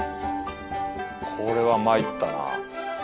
これはまいったな。